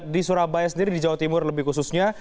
di surabaya sendiri di jawa timur lebih khususnya